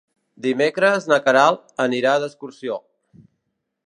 Dimecres na Queralt anirà d'excursió.